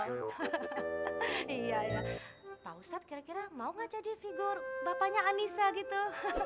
iya ya pak ustadz kira kira mau gak jadi figur bapaknya anissa gitu